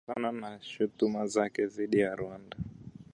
kutokana na shutuma zake dhidi ya Rwanda